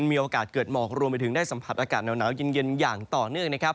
มีโอกาสเกิดหมอกรวมไปถึงได้สัมผัสอากาศหนาวเย็นอย่างต่อเนื่องนะครับ